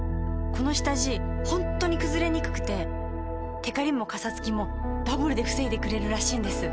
この下地ホントにくずれにくくてテカリもカサつきもダブルで防いでくれるらしいんです。